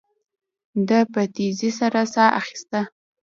ده په تيزۍ سره ساه اخيسته.